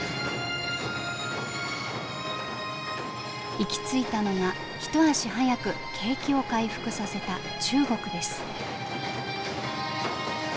行き着いたのが一足早く景気を回復させた中国です。